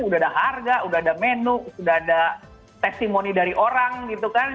udah ada harga udah ada menu sudah ada testimoni dari orang gitu kan